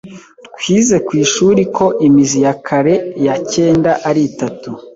Twize kwishuri ko imizi ya kare ya cyenda ari itatu.